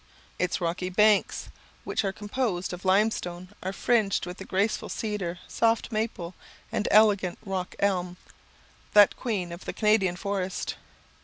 Its rocky banks, which are composed of limestone, are fringed with the graceful cedar, soft maple, and elegant rock elm, that queen of the Canadian forest.